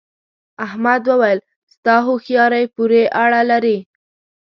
احمد وويل: ستا هوښیارۍ پورې اړه لري.